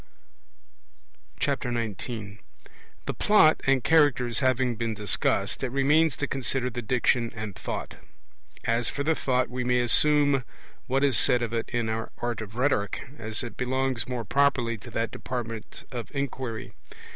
19 The Plot and Characters having been discussed, it remains to consider the Diction and Thought. As for the Thought, we may assume what is said of it in our Art of Rhetoric, as it belongs more properly to that department of inquiry.